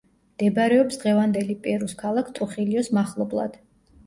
მდებარეობს დღევანდელი პერუს ქალაქ ტრუხილიოს მახლობლად.